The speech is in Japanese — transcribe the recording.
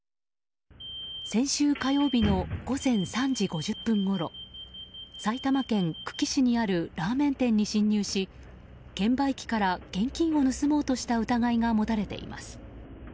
先週火曜日の午前３時５０分ごろ埼玉県久喜市にあるラーメン店に侵入し券売機から現金を盗もうとした疑いが持たれています。